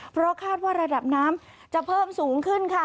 เพราะคาดว่าระดับน้ำจะเพิ่มสูงขึ้นค่ะ